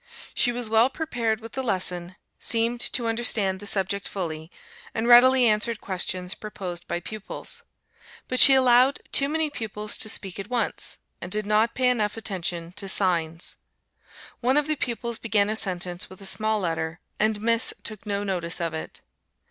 She was well prepared with the lesson, seemed to understand the subject fully, and readily answered questions proposed by pupils; but she allowed too many pupils to speak at once, and did not pay enough attention to signs. One of the pupils began a sentence with a small letter, and Miss took no notice of it.